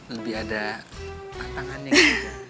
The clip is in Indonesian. lebih ada tantangannya juga